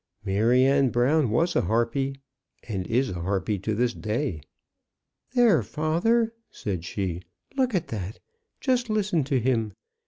Maryanne Brown was a harpy, and is a harpy to this day. "There, father," said she, "look at that! just listen to him!